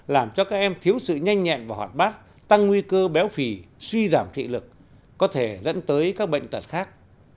làm cho các em thiếu sự nhanh nhẹn và hoạt bác tăng nguy cơ béo phì suy giảm thị lực có thể dẫn tới các bệnh tật khác